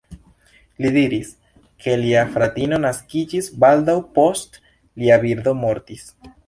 Li diris, ke lia fratino naskiĝis baldaŭ post lia birdo mortis.